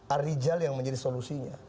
ar rijal yang menjadi solusinya